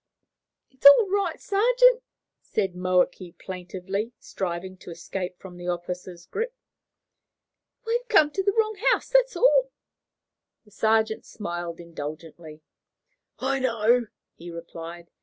"It's all right, sergeant," said Moakey plaintively, striving to escape from the officer's grip. "We've come to the wrong house, that's all." The sergeant smiled indulgently. "I know," he replied.